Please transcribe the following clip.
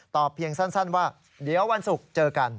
เพียงสั้นว่าเดี๋ยววันศุกร์เจอกัน